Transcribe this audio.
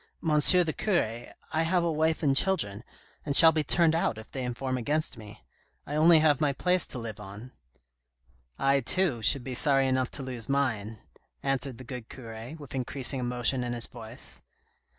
the cure, I have a wife and children, and shall be turned out if they inform against me. I only have my place to live on." " I, too, should be sorry enough to lose mine," answered the good cure, with increasing emotion in his voice.